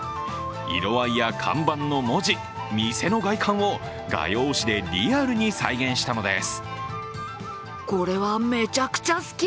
色合いや看板の文字、店の外観を画用紙でリアルに再現したのです。